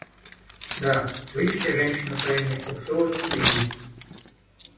Да, вы ищете женщину по имени Урсула Суини.